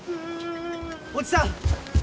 おじさん！